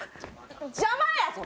邪魔やぞ？